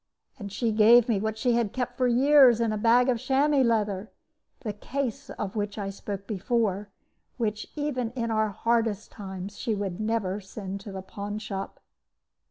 And she gave me what she had kept for years in a bag of chamois leather, the case of which I spoke before, which even in our hardest times she would never send to the pawn shop.